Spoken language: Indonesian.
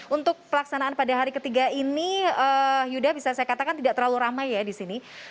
untuk pelaksanaan pada hari ketiga ini yuda bisa saya katakan tidak terlalu ramai ya di sini